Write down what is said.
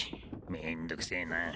めんどくせえなあ。